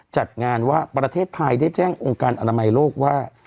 จัดงานว่าประเทศไทยได้แจ้งองค์การอนามัยโลกว่า